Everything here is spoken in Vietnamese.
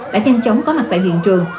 đã nhanh chóng có mặt tại hiện trường